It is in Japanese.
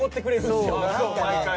毎回？